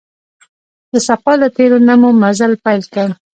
د صفا له تیږو نه مو مزل پیل کړ.